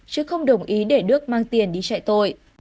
chứ không đồng ý để đức mang tiền đi chạy tội